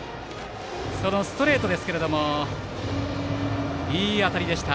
そのストレートですがいい当たりでした。